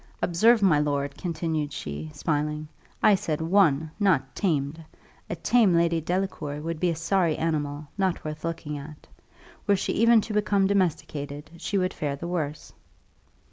Observe, my lord," continued she, smiling, "I said won, not tamed! A tame Lady Delacour would be a sorry animal, not worth looking at. Were she even to become domesticated, she would fare the worse."